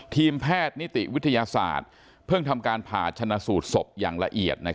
ทีมแพทย์นิติวิทยาศาสตร์เพิ่งทำการผ่าชนะสูตรศพอย่างละเอียด